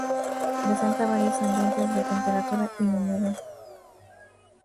Presentan varios ambientes de temperatura y humedad.